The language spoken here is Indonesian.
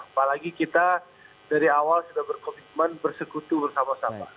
apalagi kita dari awal sudah berkomitmen bersekutu bersama sama